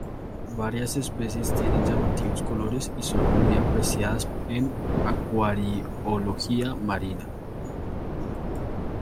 Varias especies tienen llamativos colores y son muy apreciadas en acuariología marina.